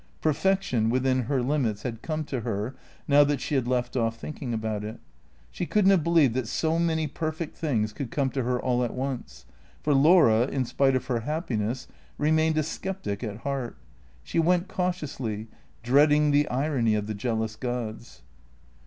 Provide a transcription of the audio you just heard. Perfection, within her limits, had come to her, now that she had left off thinking about it. She could n't have believed that so many perfect things could come to her at once. For Laura, in spite of her happiness, remained a sceptic at heart. She went cautiously, dreading the irony of the jealous gods.